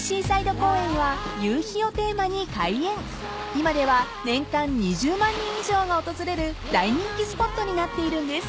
［今では年間２０万人以上が訪れる大人気スポットになっているんです］